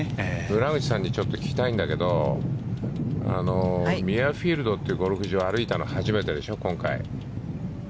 村口さんに聞きたいんだけどミュアフィールドというゴルフ場を歩いたの初めてでしょう、今回。